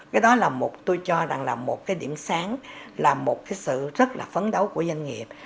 cái đó là một tôi cho rằng là một cái điểm sáng là một cái sự rất là phấn đấu của doanh nghiệp